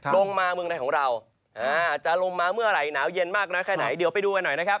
ลงมาเมืองในของเราจะลงมาเมื่อไหร่หนาวเย็นมากน้อยแค่ไหนเดี๋ยวไปดูกันหน่อยนะครับ